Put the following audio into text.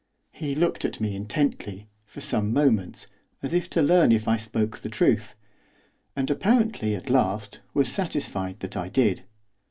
He looked at me intently, for some moments, as if to learn if I spoke the truth; and apparently, at last, was satisfied that I did.